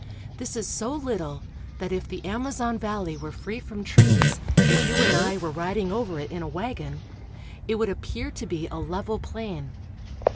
This is so little that, if the Amazon valley were free from trees and you and I were riding over it in a wagon, it would appear to be a level plain.